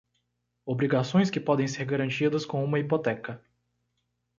Obrigações que podem ser garantidas com uma hipoteca.